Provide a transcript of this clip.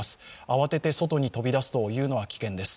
慌てて外に飛び出すというのは危険です。